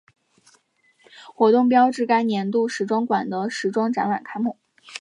活动标志该年度时装馆的时装展览开幕。